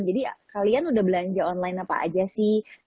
jadi kalian udah belanja online apa aja sih